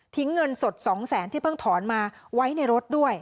เงินสด๒แสนที่เพิ่งถอนมาไว้ในรถด้วย